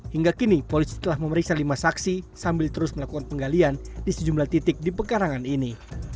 hingga kini polisi telah memeriksa lima saksi sambil terus melakukan penggalian di sejumlah titik di pekarangan ini